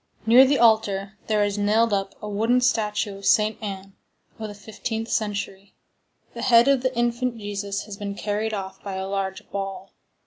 Near the altar there is nailed up a wooden statue of Saint Anne, of the fifteenth century; the head of the infant Jesus has been carried off by a large ball.